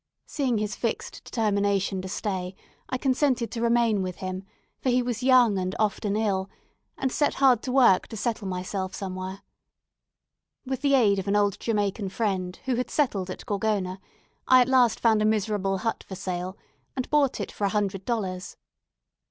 Seeing his fixed determination to stay, I consented to remain with him, for he was young and often ill, and set hard to work to settle myself somewhere. With the aid of an old Jamaica friend, who had settled at Gorgona, I at last found a miserable little hut for sale, and bought it for a hundred dollars.